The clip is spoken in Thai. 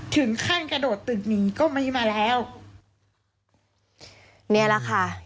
ถึงขั้นกระโดดตึกหนีก็ไม่มาแล้ว